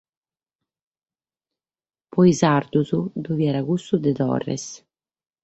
Pro sos sardos ddoe fiat cussu de Torres.